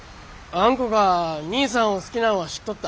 あんこが兄さんを好きなんは知っとった。